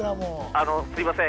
あのすいません。